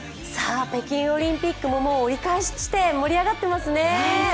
北京オリンピックも折り返し地点、盛り上がってますね。